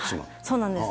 そうなんです。